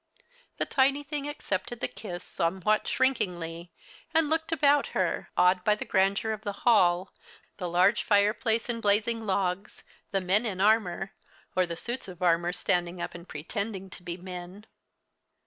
The tiny thing accepted the kiss somewhat shrinkingly, and looked about her, awed by the grandeur of the hall, the large fireplace and blazing logs, the men in armor, or the suits of armor standing up and pretending to be men.